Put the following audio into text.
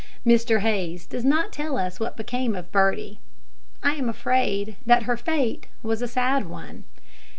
Mr Hayes does not tell us what became of Birdie. I am afraid that her fate was a sad one.